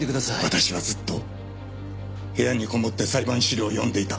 私はずっと部屋にこもって裁判資料を読んでいた。